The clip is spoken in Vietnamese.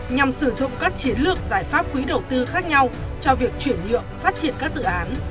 nhằm sử dụng các chiến lược giải pháp quý đầu tư khác nhau cho việc chuyển nhượng phát triển các dự án